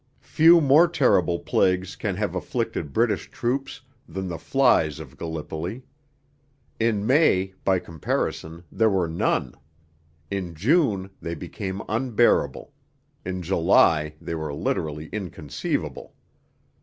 Few more terrible plagues can have afflicted British troops than the flies of Gallipoli. In May, by comparison, there were none. In June they became unbearable; in July they were literally inconceivable.